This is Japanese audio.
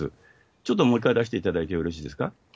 ちょっともう一回出していただいてよろしいですか。